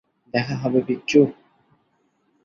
দেখা হবে, পিচ্চু।